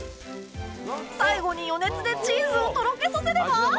最後に余熱でチーズをとろけさせれば